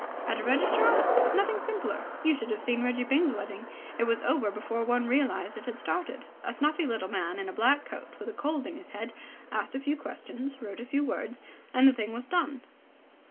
"At a registrar's? Nothing simpler. You should have seen Reggie Byng's wedding. It was over before one realized it had started. A snuffy little man in a black coat with a cold in his head asked a few questions, wrote a few words, and the thing was done."